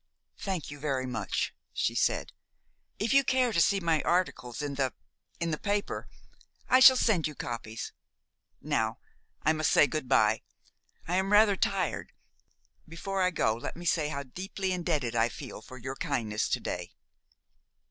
"Thank you very much," she said. "If you care to see my articles in the in the paper, I shall send you copies. Now I must say good by. I am rather tired. Before I go let me say how deeply indebted I feel for your kindness to day."